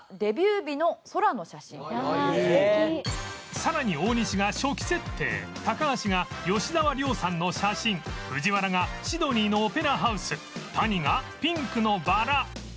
さらに大西が初期設定高橋が吉沢亮さんの写真藤原が Ｓｙｄｎｅｙ のオペラハウス谷がピンクのバラ